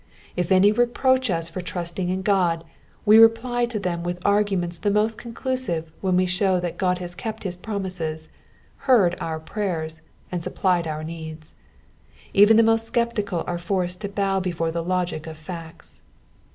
If any reproach us for trusting in God, we reply to them with arguments the most conclusive when we show that GU)d nas kept his promises, heard our prayers, and supplied our needs. Even the most scep tical are forced to bow before the logic of facts.